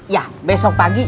ya besok pagi